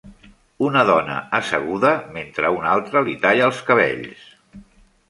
Una dona asseguda mentre una altra li talla els cabells.